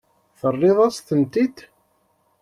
Terriḍ-as-tent-id?